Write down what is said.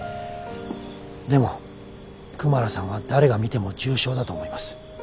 でもクマラさんは誰が見ても重症だと思います。